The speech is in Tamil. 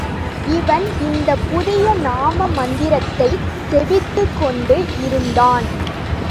இவன் இந்தப் புதிய நாம மந்திரத்தைச் செபித்துக் கொண்டு இருந்தான்.